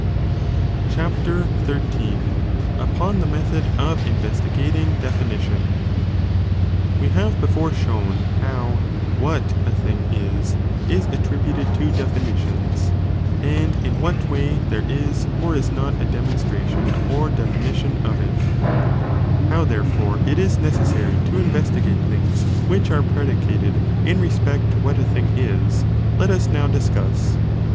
Chap. Xm. — Up<m the Method of mvesligating Definition. We haTe before shown how te/ial a thing it, is attributed to definitions, and in what way there is or is not » dcmonstrs tioD or definition of ii, how therefore it is necessary to inves tigate ' things which arc predicated in respect to what a thing is, let us now discuss.